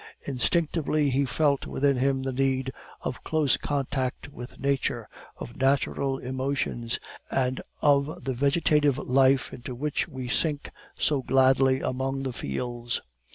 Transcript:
Instinctively he felt within him the need of close contact with nature, of natural emotions, and of the vegetative life into which we sink so gladly among the fields.